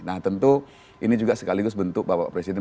nah tentu ini juga sekaligus bentuk bapak presiden